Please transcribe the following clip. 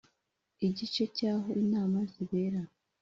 Igice cya aho inama zibera